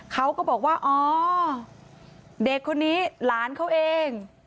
เขาก็บอกว่าอ๋อเด็กคนนี้หลานเขาเอง